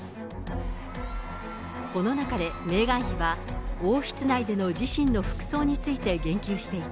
この中で、メーガン妃は王室内での自身の服装について言及していた。